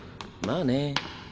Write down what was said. まあね。